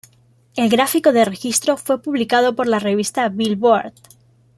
El gráfico de registro fue publicado por la revista Billboard.